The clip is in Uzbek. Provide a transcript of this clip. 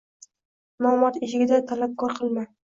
Nomard eshigida talabgor qilma